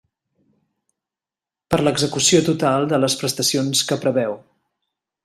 Per l'execució total de les prestacions que preveu.